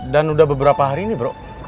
dan udah beberapa hari ini bro